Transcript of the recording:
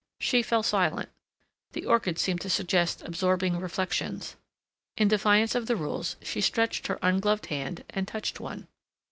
She fell silent. The orchids seemed to suggest absorbing reflections. In defiance of the rules she stretched her ungloved hand and touched one.